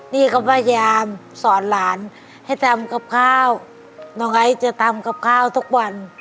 นี่ก็พยายามสอนหลานให้ทำกับข้าวน้องไอซ์จะทำกับข้าวทุกวัน